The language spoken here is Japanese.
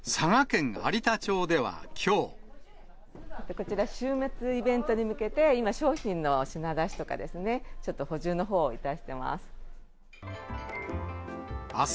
こちら、週末イベントに向けて、今、商品の品出しとかですね、ちょっと補充のほうをいたしてます。